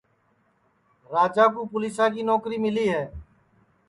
راجا کُو پُولِیسا کی نوکری مِلی ہے